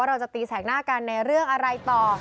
เราจะตีแสกหน้ากันในเรื่องอะไรต่อ